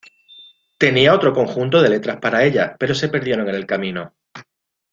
Tenía otro conjunto de letras para ella, pero se perdieron en el camino.